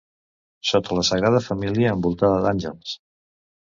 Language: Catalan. Sota la Sagrada Família envoltada d'Àngels.